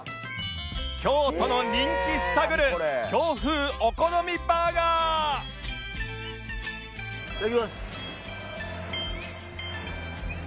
京都の人気スタグル京風お好みバーガーいただきます。